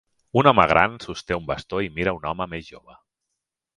Un home gran sosté un bastó i mira un home més jove.